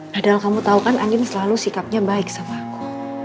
padahal kamu tahu kan anjing selalu sikapnya baik sama aku